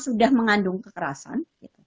sudah mengandung kekerasan